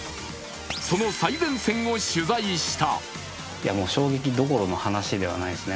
その最前線を取材した。